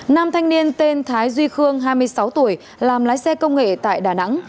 nam thanh niên tên thái duy khương hai mươi sáu tuổi làm lái xe công nghệ tại đà nẵng